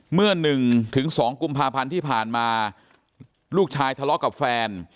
เมื่อหนึ่งถึงสองกุมภาพันธุ์ที่ผ่านมาลูกชายทะเลาะกับแฟน